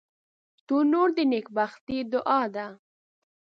تنور د نیکبختۍ دعا ده